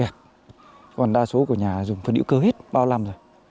còn đa số của nhà dùng phân hữu cơ hết bao năm rồi